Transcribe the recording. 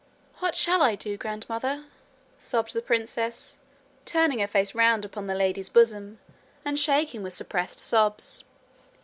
'What SHALL I do, grandmother?' sobbed the princess, turning her face round upon the lady's bosom, and shaking with suppressed sobs.